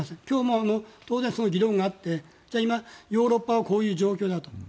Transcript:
今日もその議論があって今、ヨーロッパがこういう状況だと。